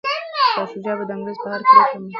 شاه شجاع به د انګریز په هره پریکړه عمل کوي.